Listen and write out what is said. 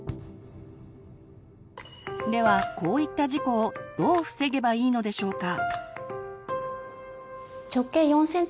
ではこういった事故をどう防げばいいのでしょうか？